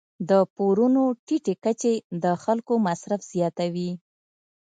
د پورونو ټیټې کچې د خلکو مصرف زیاتوي.